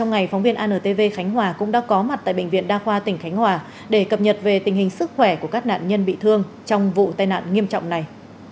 cơ quan cảnh sát điều tra công an huyện diên khánh hòa cũng đã có mặt tại bệnh viện đa khoa tỉnh khánh hòa để cập nhật về tình hình sức khỏe của các nạn nhân bị thương trong vụ tai nạn nghiêm trọng này